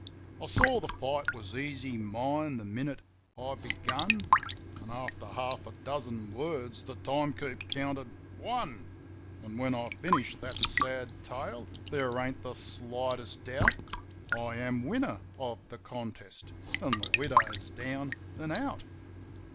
I saw the fight was easy mine the minute I begun; An', after half a dozen words, the time keep counted "One." An' when I finish that sad tale there ain't the slightest doubt I am winner of the contest, an' the widow's down an' out.